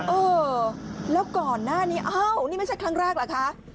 เออแล้วก่อนหน้านี้อ้าวนี่ไม่ใช่ครั้งแรกเหรอคะ